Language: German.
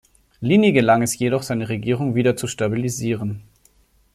Lini gelang es jedoch seine Regierung wieder zu stabilisieren.